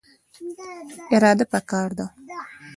اراده پکار ده